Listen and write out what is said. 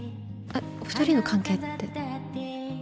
えっ２人の関係って。